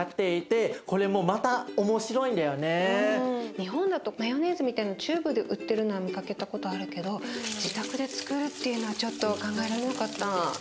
日本だとマヨネーズみたいなチューブで売ってるのは見かけたことあるけど自宅でつくるっていうのはちょっと考えられなかった。